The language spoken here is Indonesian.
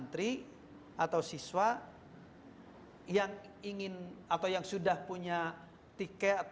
bantuan kepada santri atau siswa yang ingin atau yang sudah punya tiket